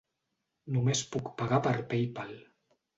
Només puc pagar per Paypal.